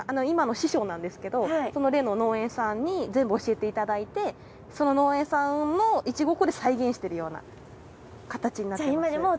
今の師匠なんですけどその例の農園さんに全部教えていただいてその農園さんのイチゴをここで再現してるような形になっています。